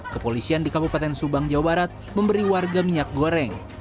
kepolisian di kabupaten subang jawa barat memberi warga minyak goreng